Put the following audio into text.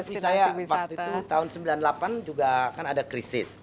tapi saya sih waktu itu tahun sembilan puluh delapan juga kan ada krisis